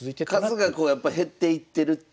数がやっぱ減っていってるっていう。